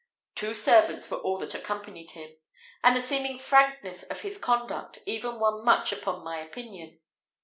Two servants were all that accompanied him; and the seeming frankness of this conduct even won much upon my opinion.